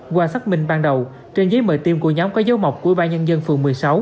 qua xác minh ban đầu trên giấy mời tiêm của nhóm có dấu mọc của ủy ban nhân dân phường một mươi sáu